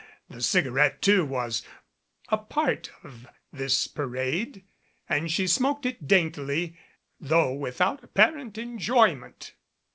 The cigar ette, too, was a part of this parade, and she smoked it daintily, though without apparent enjoyment.